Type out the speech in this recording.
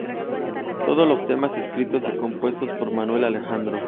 Todos los temas escritos y compuestos por Manuel Alejandro.